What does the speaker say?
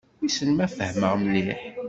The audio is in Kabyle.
Wissen ma fehmeɣ mliḥ.